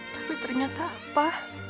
tapi ternyata apa